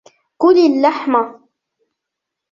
كل اللحم.